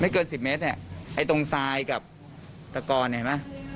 เกินสิบเมตรเนี่ยไอ้ตรงทรายกับตะกอนเห็นไหม